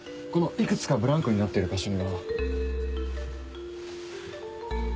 このいくつかブランクになってる箇所には。